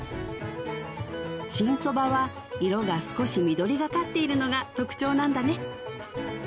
新そばは色が少し緑がかっているのが特徴なんだね